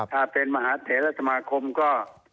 ถ้าเป็นมหาเถระสมาคมก็